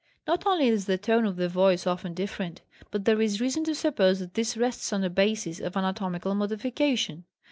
Not only is the tone of the voice often different, but there is reason to suppose that this rests on a basis, of anatomical modification.